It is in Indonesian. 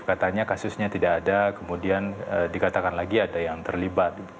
katanya kasusnya tidak ada kemudian dikatakan lagi ada yang terlibat